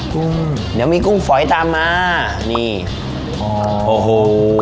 กุ้งเดี๋ยวมีกุ้งฝอยตามมานี่อ๋อโอ้โห